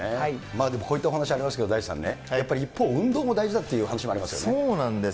でもこういった話ありますけどね、大地さんね、一方、運動も大事だという話もあそうなんです。